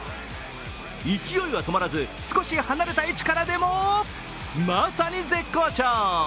勢いは止まらず、少し離れた位置からでもまさに絶好調。